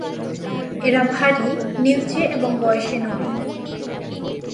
এরা ভারী, নীলচে এবং বয়সে নবীন।